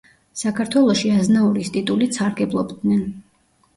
საქართველოში აზნაურის ტიტულით სარგებლობდნენ.